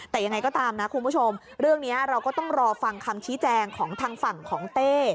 แต่ยังไงก็ตามนะคุณผู้ชมเรื่องนี้เราก็ต้องรอฟังคำชี้แจงของทางฝั่งของเต้